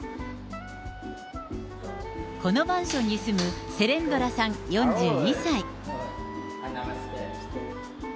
このマンションに住むセレンドラさん４２歳。